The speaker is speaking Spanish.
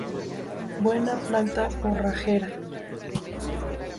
Buena planta forrajera.